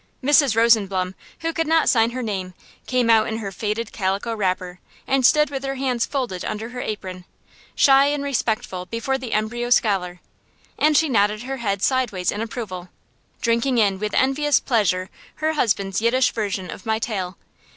Mrs. Rosenblum, who could not sign her name, came out in her faded calico wrapper, and stood with her hands folded under her apron, shy and respectful before the embryo scholar; and she nodded her head sideways in approval, drinking in with envious pleasure her husband's Yiddish version of my tale.